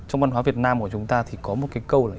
trong văn hóa việt nam của chúng ta thì có một cái câu là